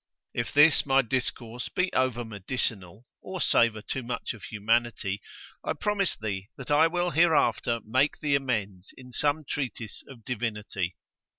If this my discourse be over medicinal, or savour too much of humanity, I promise thee that I will hereafter make thee amends in some treatise of divinity.